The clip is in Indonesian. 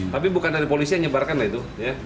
tapi bukan dari polisi yang menyebarkan itu